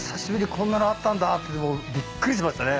こんなのあったんだってビックリしましたね。